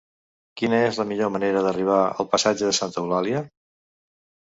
Quina és la millor manera d'arribar al passatge de Santa Eulàlia?